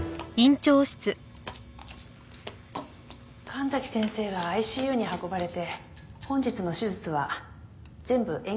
神崎先生がＩＣＵに運ばれて本日の手術は全部延期になりました。